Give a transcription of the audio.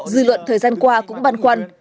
dư luận thời gian qua cũng băn quăn